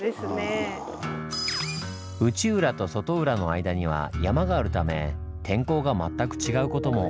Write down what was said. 内浦と外浦の間には山があるため天候が全く違うことも。